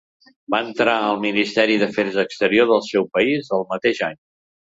Va entrar al Ministeri d'Afers Exteriors del seu país el mateix any.